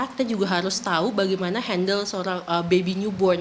kita juga harus tahu bagaimana handle seorang baby newborn